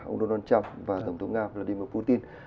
ông donald trump và tổng thống nga vladimir putin